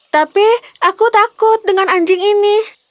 tapi aku takut dengan anjing ini